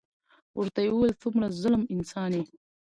ورته يې وويل څومره ظلم انسان يې.